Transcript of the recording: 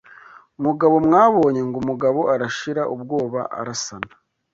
Mugabo, mwabonye ngo umugabo Arashira ubwoba arasana